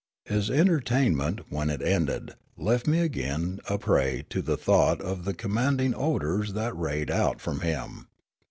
His entertainment, when it ended, left me again a prej^ to the thought of the commanding odours that rayed out from him.